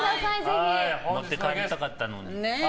持って帰りたかったのに。